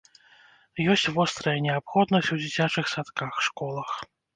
Ёсць вострая неабходнасць у дзіцячых садках, школах.